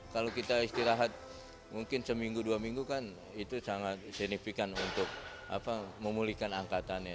kalau kita istirahat mungkin seminggu dua minggu kan itu sangat signifikan untuk memulihkan angkatannya